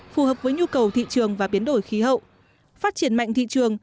phù hợp với nhu cầu thị trường và biến đổi khí hậu phát triển mạnh thị trường